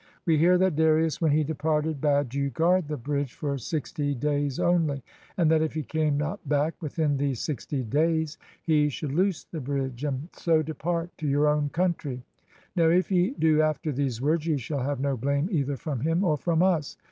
We hear that Darius when he departed bade you guard the bridge for sixty days only, and that if he came not back within these sixty days, ye should loose the bridge and so depart to your own country. Now if ye do after these words ye shall have no blame either from him or from us.